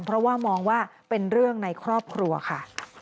เพราะว่ามองว่าเป็นเรื่องในครอบครัวค่ะ